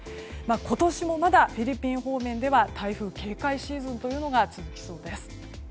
今年もまだフィリピン方面では台風警戒シーズンというのが続きそうです。